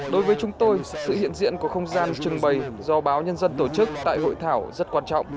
đối với chúng tôi sự hiện diện của không gian trưng bày do báo nhân dân tổ chức tại hội thảo rất quan trọng